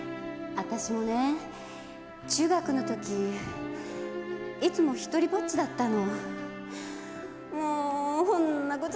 私もね中学の時いつも独りぼっちだったの。